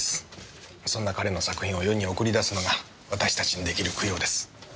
そんな彼の作品を世に送りだすのが私たちにできる供養です。